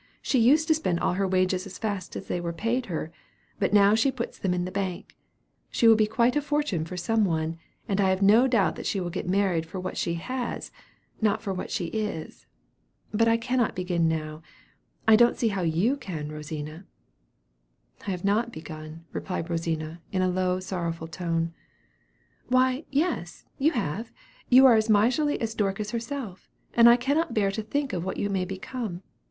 She used to spend all her wages as fast as they were paid her, but now she puts them in the bank. She will be quite a fortune for some one, and I have no doubt she will get married for what she has, if not for what she is.' But I cannot begin now, and I don't see how you can, Rosina." "I have not begun," replied Rosina, in a low sorrowful tone. "Why yes, you have; you are as miserly now as Dorcas herself; and I cannot bear to think of what you may become.